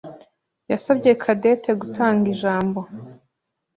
yasabye Cadette gutanga ijambo.